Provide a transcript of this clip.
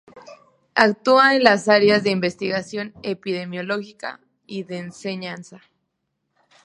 Actúa en las área de investigación epidemiológica y de enseñanza.